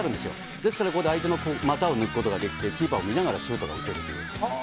ですから、ここで相手の股を抜くことができて、キーパーを見ながらシュートが打てる。